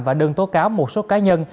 và đơn tố cáo một số cá nhân